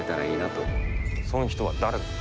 そん人は誰だ？